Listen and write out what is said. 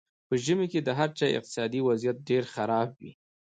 په ژمي کې د هر چا اقتصادي وضیعت ډېر خراب وي.